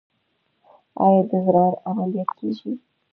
آیا د زړه عملیات کیږي؟